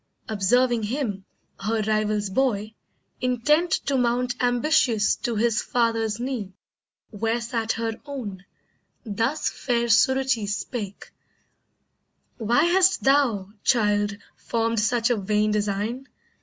Observing him, her rival's boy, intent To mount ambitious to his father's knee, Where sat her own, thus fair Suruchee spake: "Why hast thou, child, formed such a vain design?